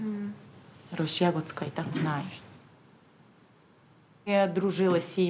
ロシア語使いたくない。